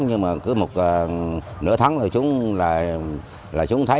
nhưng mà cứ một nửa tháng rồi xuống là xuống thấy